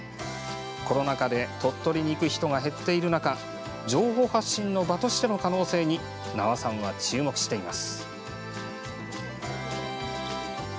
コロナ禍で鳥取に行く人が減っている中情報発信の場としての可能性に名和さんは注目しています。